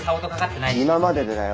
今まででだよ。